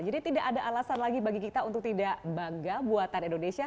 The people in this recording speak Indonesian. jadi tidak ada alasan lagi bagi kita untuk tidak bangga buatan indonesia